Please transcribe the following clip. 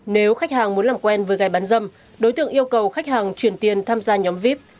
nếu khách hàng muốn làm quen với gái bán dâm đối tượng yêu cầu khách hàng chuyển tiền tham gia nhóm vip